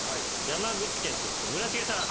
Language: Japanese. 山口県出身村重さん。